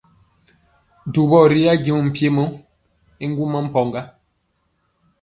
Dubɔ ri ajeŋ mpiemɔ y ŋgɔma mpɔga.